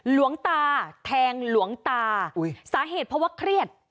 หลวงตาแทงหลวงตาสาเหตุเพราะว่าเครียด